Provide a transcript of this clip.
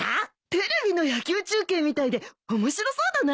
テレビの野球中継みたいで面白そうだな。